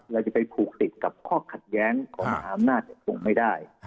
เราจะไปผูกติดกับข้อขัดแย้งของมหาอำนาจคงไม่ได้